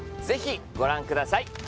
ぜひご覧ください